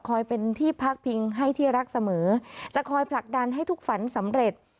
เป็นที่พักพิงให้ที่รักเสมอจะคอยผลักดันให้ทุกฝันสำเร็จ